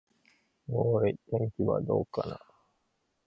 おーーい、天気はどうかな。